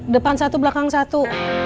depan satu belakang satu